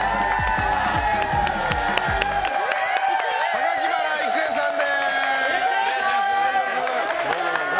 榊原郁恵さんです。